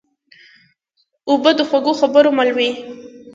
اوبه د خوږو خبرو مل وي.